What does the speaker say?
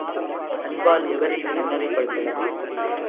அன்பால் எவரையும் நன்னெறிப்படுத்தலாம்.